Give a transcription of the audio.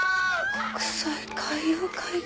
国際海洋会議。